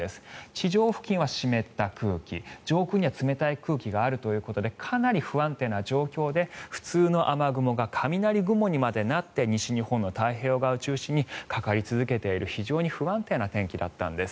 地上付近は湿った空気上空には冷たい空気があるということでかなり不安定な状況で普通の雨雲が雷雲にまでなって西日本の太平洋側を中心にかかり続けている非常に不安定な天気だったんです。